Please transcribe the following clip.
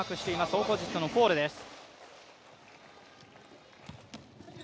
オポジットのフォーレです。